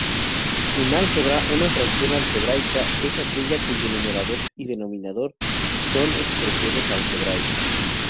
En álgebra, una fracción algebraica es aquella cuyo numerador y denominador son expresiones algebraicas.